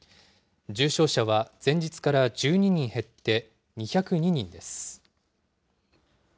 重症者は前日から１２人減って２０２人です。